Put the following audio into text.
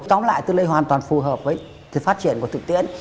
tóm lại tư lệ hoàn toàn phù hợp với phát triển của thực tiễn